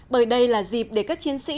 bởi đây là dịp để các chiến sĩ